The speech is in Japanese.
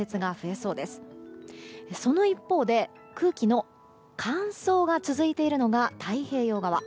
その一方で、空気の乾燥が続いているのが太平洋側。